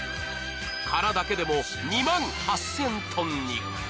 殻だけでも２万８０００ｔに。